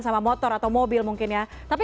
sama motor atau mobil mungkin ya tapi